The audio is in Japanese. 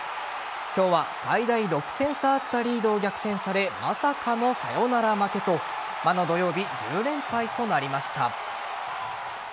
今日は、最大６点差あったリードを逆転されまさかのサヨナラ負けと魔の土曜日１０連敗となりました。